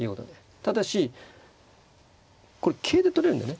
ただしこれ桂で取れるんでね。